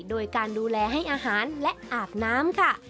โดยการดูแลให้อาหารและอาบน้ำค่ะ